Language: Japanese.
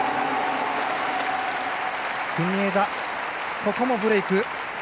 国枝、ここもブレーク。